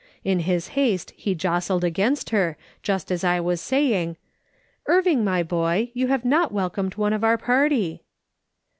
In his haste he jostled against her, just as I was saying :" Irving, my boy, you have not welcomed one of our party."